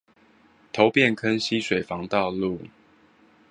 頭汴坑溪水防道路